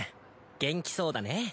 元気そうだね。